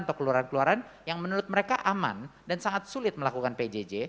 atau keluaran keluaran yang menurut mereka aman dan sangat sulit melakukan pjj